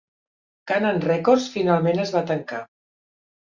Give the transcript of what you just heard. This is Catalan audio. Canaan Records finalment es va tancar.